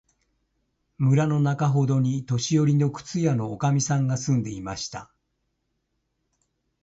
村のなかほどに、年よりの靴屋のおかみさんが住んでいました。